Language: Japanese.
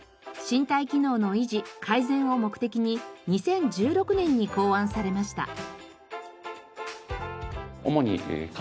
身体機能の維持・改善を目的に２０１６年に考案されました。